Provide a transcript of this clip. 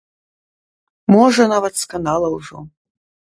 Можа нават сканала ўжо.